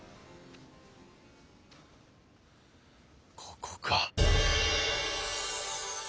ここか！